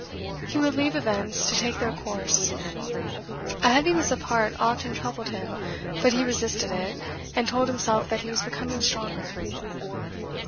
He would leave events to take their course. A heaviness of heart often troubled him, but he resisted it, and told himself that he was becoming stronger.